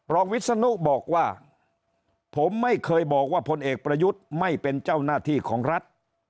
วิศนุบอกว่าผมไม่เคยบอกว่าพลเอกประยุทธ์ไม่เป็นเจ้าหน้าที่ของรัฐ